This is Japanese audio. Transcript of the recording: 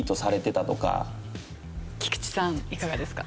菊池さんいかがですか？